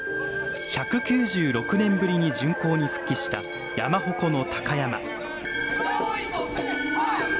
１９６年ぶりに巡行に復帰した山鉾の鷹山。